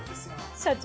社長